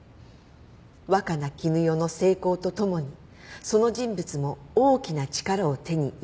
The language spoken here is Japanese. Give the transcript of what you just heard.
「若菜絹代の成功とともにその人物も大きな力を手に入れた」